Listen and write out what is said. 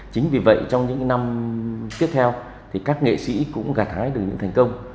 chính vì vậy trong những năm tiếp theo thì các nghệ sĩ cũng gạt hái được những thành công